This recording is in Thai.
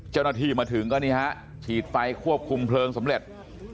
เจ้าหน้าที่มาถึงก็นี่ฮะฉีดไฟควบคุมเพลิงสำเร็จ